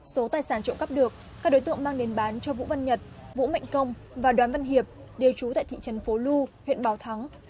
số tài sản trộm cắp được các đối tượng mang đến bán cho vũ văn nhật vũ mạnh công và đoàn văn hiệp đều trú tại thị trấn phố lu huyện bảo thắng